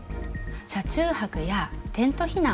車中泊やテント避難。